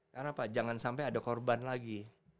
karena apa jangan sampai ada korban lagi